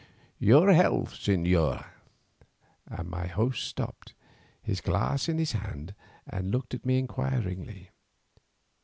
"Your health, señor?" And my host stopped, his glass in his hand, and looked at me inquiringly.